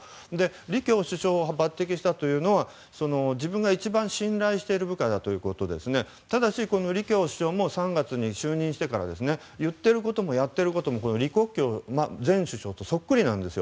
李強首相を抜擢したのは自分が一番信頼している部下だったということでただし、李強首相も３月に就任してから言っていることもやっていることも李克強前首相とそっくりなんです。